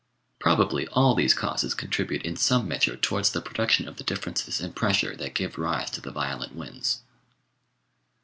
Probably all these causes contribute in some measure towards the production of the differences in pressure that give rise to the violent winds.